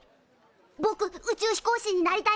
ぼく宇宙飛行士になりたいんだ。